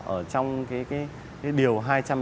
ở trong cái điều hai trăm chín mươi một